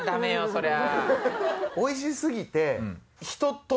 そりゃ。